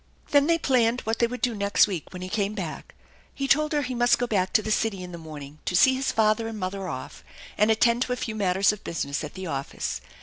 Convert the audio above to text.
Then they planned what they would do next week when he came back. He told her he must go back to the city in the morning to see his father and mother off and attend to a few matters of business at the office.